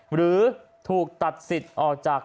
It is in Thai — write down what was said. หรือถูกตัดสิทธิ์ออกจาก